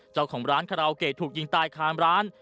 เจ้าของร้านคาราโอเกะถูกยิงตายคามร้าน